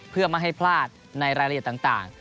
เพื่อไม่ให้พลาดในรายละเอียดต่าง